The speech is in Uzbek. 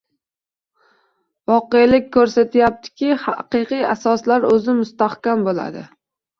Voqelik ko‘rsatyaptiki, haqiqiy asoslar o‘zi mustahkam bo‘ladi.